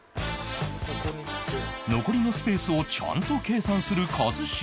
残りのスペースをちゃんと計算する一茂